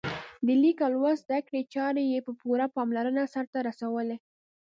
د لیک او لوست زده کړې چارې یې په پوره پاملرنه سرته رسولې.